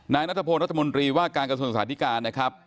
นางนัทพลนัทมนตรีว่าการกระทรวงสถานการณ์นะครับ